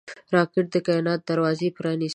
راکټ د کائناتو دروازې پرانېستي